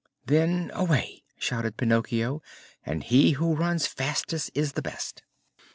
"Then away!" shouted Pinocchio, "and he who runs fastest is the best!"